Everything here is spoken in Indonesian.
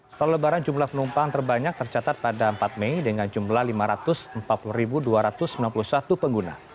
setelah lebaran jumlah penumpang terbanyak tercatat pada empat mei dengan jumlah lima ratus empat puluh dua ratus sembilan puluh satu pengguna